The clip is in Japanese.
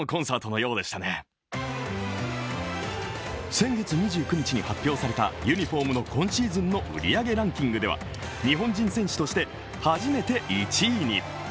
先月２９日に発表されたユニフォームの今シーズンの売り上げランキングでは日本人選手として初めて１位に。